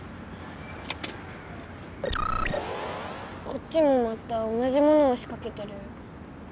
こっちもまた同じものをしかけてる。